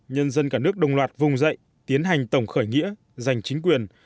nhân dân cả nước đồng loạt vùng dậy tiến hành tổng khởi nghĩa giành chính quyền